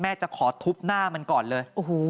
จะขอทุบหน้ามันก่อนเลย